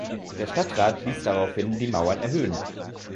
Der Stadtrat ließ daraufhin die Mauern erhöhen.